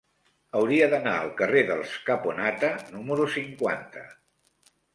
Hauria d'anar al carrer dels Caponata número cinquanta.